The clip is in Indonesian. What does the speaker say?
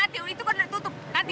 iya nanti itu kan ditutup nanti